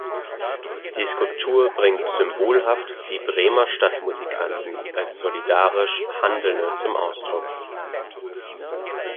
Die Skulptur bringt symbolhaft die Bremer Stadtmusikanten als solidarisch Handelnde zum Ausdruck.